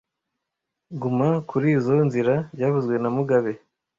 Guma kurizoi nzira byavuzwe na mugabe